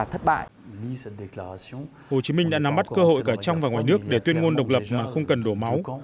hồ chí minh đã nắm bắt cơ hội cả trong và ngoài nước để tuyên ngôn độc lập mà không cần đổ máu